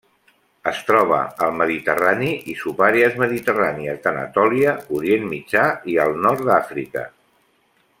Es troba al mediterrani i subàrees mediterrànies d'Anatòlia, Orient Mitjà i al nord d'Àfrica.